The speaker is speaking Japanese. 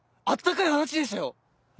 あったかい話でしたよ！